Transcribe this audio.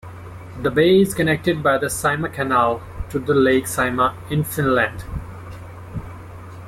The bay is connected by the Saimaa Canal to the lake Saimaa in Finland.